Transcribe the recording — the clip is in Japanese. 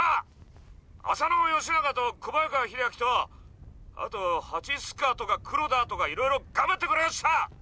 浅野幸長と小早川秀秋とあと蜂須賀とか黒田とかいろいろ頑張ってくれました！